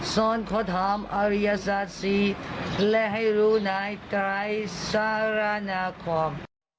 ซ่อนขอถามอริยสาธิสีและให้รู้ไหนใกล้สาระนาคม